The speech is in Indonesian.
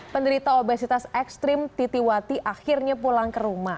penderita obesitas ekstrim titi wati akhirnya pulang ke rumah